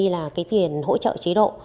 là cái tiền hỗ trợ chế độ